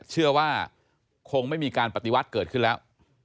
เชื่อว่าคงไม่มีการปฏิวัติเกิดขึ้นแล้ว